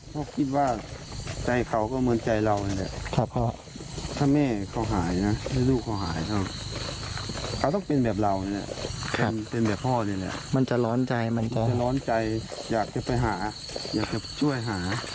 ก็คิดว่าใจเขาก็เหมือนใจเรานั่นแหละเพราะถ้าแม่เขาหายนะให้ลูกเขาหายเขาเขาต้องเป็นแบบเราเนี่ยเป็นแบบพ่อนี่แหละมันจะร้อนใจมันจะร้อนใจอยากจะไปหาอยากจะช่วยหา